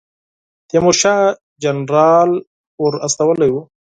تیمورشاه جنرال ور استولی دی.